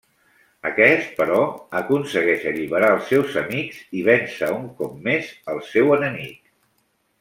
Aquest, però, aconsegueix alliberar els seus amics i vèncer un cop més el seu enemic.